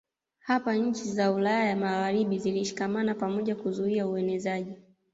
Hapa nchi za Ulaya ya Magharibi zilishikamana pamoja kuzuia uenezaji